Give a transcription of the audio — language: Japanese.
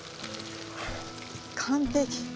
完璧。